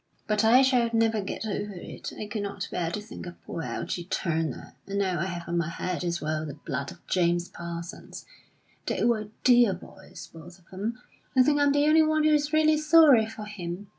"But I shall never get over it. I could not bear to think of poor Algy Turner, and now I have on my head as well the blood of James Parsons. They were dear boys, both of them. I think I am the only one who is really sorry for him.